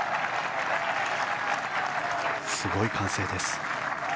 すごい歓声です。